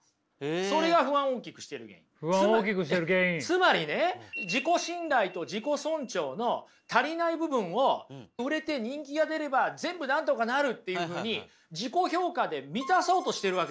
つまりね自己信頼と自己尊重の足りない部分を売れて人気が出れば全部なんとかなるというふうに自己評価で満たそうとしてるわけですよ